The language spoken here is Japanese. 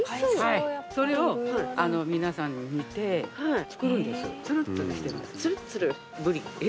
はいそれを皆さん煮て作るんです。